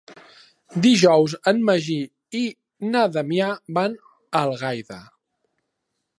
Dijous en Magí i na Damià van a Algaida.